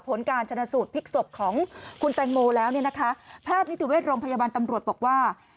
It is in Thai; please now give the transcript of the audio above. ผลการชนะสูตรพลิกศพของคุณแตงโมแล้วเนี่ยนะคะแพทย์นิติเวชโรงพยาบาลตำรวจบอกว่า